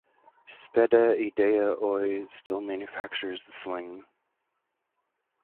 Spede-Idea Oy still manufactures the sling.